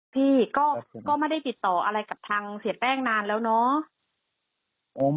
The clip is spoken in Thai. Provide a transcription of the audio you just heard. พี่ก็ไม่ได้ติดต่ออะไรกับทางเสียแป้งนานแล้วเนาะ